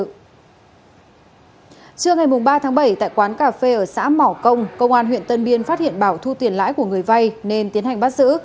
trưa ngày ba tháng bảy tại quán cà phê ở xã mỏ công công an huyện tân biên phát hiện bảo thu tiền lãi của người vay nên tiến hành bắt giữ